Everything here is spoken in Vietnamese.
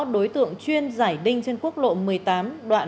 đối tượng chuyên giải đinh trên quốc lộ một mươi tám đoạn